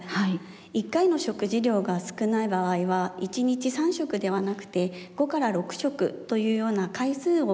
一回の食事量が少ない場合は一日３食ではなくて５から６食というような回数を増やしてですね